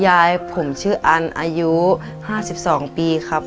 ยายผมชื่ออันอายุ๕๒ปีครับ